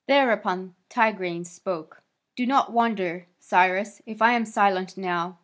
Thereupon Tigranes spoke: "Do not wonder, Cyrus, if I am silent now.